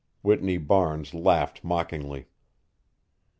Whitney Barnes laughed mockingly.